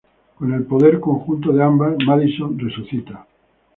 Con el poder conjunto de ambas, Madison resucita.